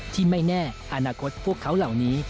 ที่ไม่แน่อนาคตพวกเขาเหล่านี้